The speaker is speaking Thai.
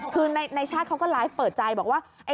คือในชาติเขาก็ไลฟ์เปิดใจบอกว่า